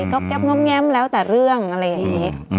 ก็แก๊บง้มแง้มแล้วแต่เรื่องอะไรอย่างนี้